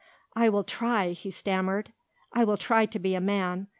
"I will try," he stammered, "I will try to be a man.